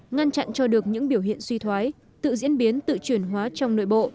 ngăn chặn cho được những biểu hiện suy thoái tự diễn biến tự chuyển hóa trong nội bộ